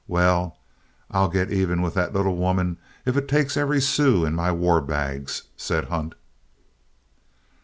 'Well, I'll get even with that little woman if it takes every sou in my war bags,' said Hunt.